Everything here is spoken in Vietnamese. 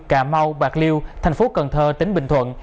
cà mau bạc liêu thành phố cần thơ tỉnh bình thuận